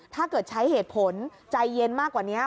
ถ้าเกิดใช้เหตุผลใจเย็นมากกว่านี้